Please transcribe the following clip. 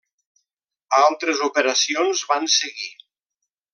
Altres operacions van seguir.